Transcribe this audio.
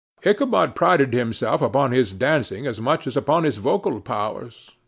Ichabod prided himself upon his dancing as much as upon his vocal powers.